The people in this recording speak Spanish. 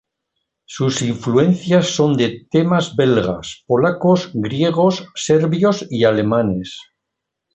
Sus influencias son de temas belgas, polacos, griegos, serbios y alemanes.